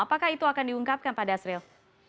apakah itu akan diungkapkan pak dasril